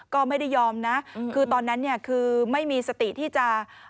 ก็ไม่ได้ยอมนะคือตอนนั้นเนี่ยคือไม่มีสติที่จะ